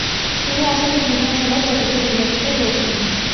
তিনি আসামের বিধান সভার সদস্য নির্বাচিত হয়েছিলেন।